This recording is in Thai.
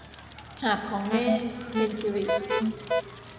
หาบของแม่ - เพ็ญศิริ